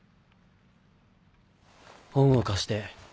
本を貸して。